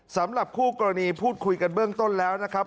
สำหรับคู่กรณีพูดคุยกันเบื้องต้นแล้วนะครับ